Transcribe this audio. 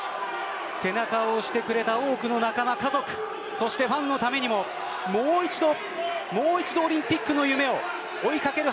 背中を押してくれた多くの仲間、家族そしてファンのためにももう一度オリンピックの夢を追いかける